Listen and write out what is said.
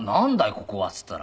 ここは」って言ったら。